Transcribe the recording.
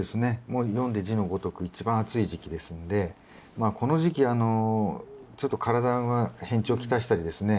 もう読んで字のごとく一番暑い時期ですんでまあこの時期ちょっと体が変調来したりですね